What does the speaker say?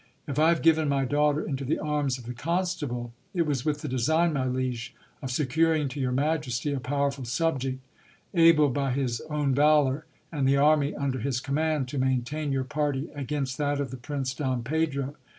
If I have given my daughter into the arms of the constable, it was with the design, my liege, of securing to your majesty a powerful subject, able by his own valour, and the army under his command, to maintain your party against that of the Prince Don Pedro.